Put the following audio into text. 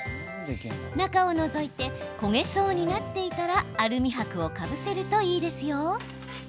中をのぞいて焦げそうになっていたらアルミはくをかぶせるとよいですよ。